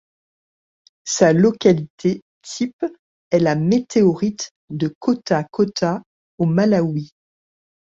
Sa localité type est la météorite de Kota-Kota, au Malawi.